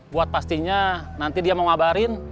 buat pastinya nanti dia mau ngabarin